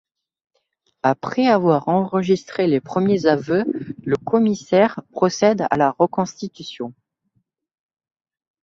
Après avoir enregistré les premiers aveux, le commissaire procède à la reconstitution.